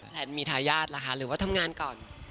แพลนมีทายาทหรือว่าทำงานก่อน